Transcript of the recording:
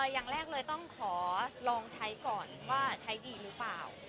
อย่างแรกเลยต้องขอลองใช้ก่อนว่าใช้ดีหรือเปล่า